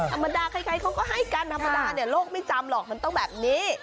ธรรมดาใครเขาก็ให้กันธรรมดาเนี่ยโลกไม่จำหรอกมันต้องแบบนี้